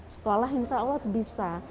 sekolah insya allah bisa